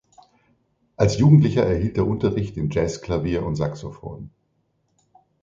Als Jugendlicher erhielt er Unterricht in Jazzklavier und Saxophon.